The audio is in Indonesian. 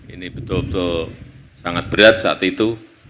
ini betul betul sangat berat saat itu